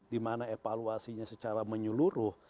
dimana evaluasinya secara menyeluruh